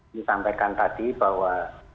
disampaikan tadi bahwa